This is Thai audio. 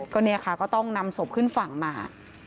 ก็เนี่ยค่ะก็ต้องนำศพขึ้นฝั่งมา